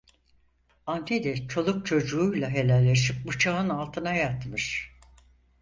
Avni de çoluk çocuğuyla helalleşip bıçağın altına yatmış.